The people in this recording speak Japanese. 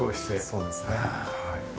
そうですねはい。